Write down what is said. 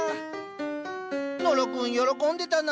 野呂君喜んでたな。